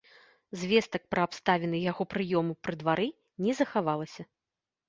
Звестак пра абставіны яго прыёму пры двары не захавалася.